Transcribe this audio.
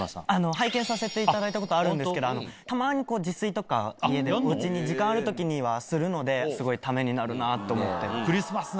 拝見させていただいたことはあるんですけどたまに自炊とか家で時間ある時にはするのですごいためになるなって思って。